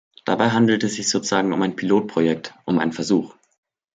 Dabei handelt es sich sozusagen um ein "Pilotprojekt ", um einen Versuch.